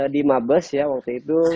di mabes ya waktu itu